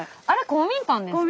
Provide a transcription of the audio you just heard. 公民館ですか？